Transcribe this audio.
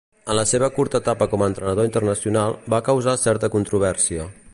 En la seva curta etapa com entrenador internacional, va causar certa controvèrsia.